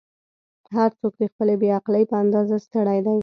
"هر څوک د خپلې بې عقلۍ په اندازه ستړی دی.